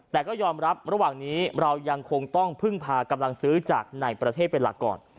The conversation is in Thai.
แต่ก็ยอมรับระหว่างนี้เรายังคงต้องพึ่งพากำลังซื้อจากในประเทศเป็นหลักก่อน